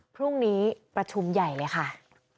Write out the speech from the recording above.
พรุ่งนี้ประชุมใหญ่เลยค่ะ